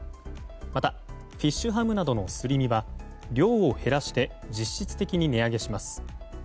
またフィッシュハムなどのすりみは量を減らして実質的に値上げします。